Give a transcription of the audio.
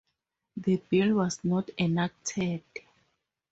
The bill was not enacted.